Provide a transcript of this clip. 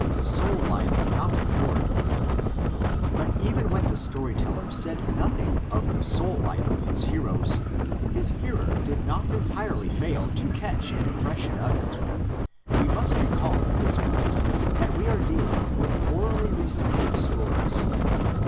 SOUL LIFE NOT IGNORED. But even when the story teller said nothing of the soul life of his heroes, his hearer did not entirely fail to catch an impression of it. We must recall at this point that we are dealing with orally recited stories.